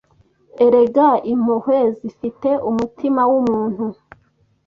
Erega Impuhwe zifite umutima wumuntu